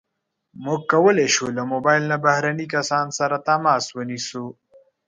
موږ کولی شو له موبایل نه بهرني کسان سره تماس ونیسو.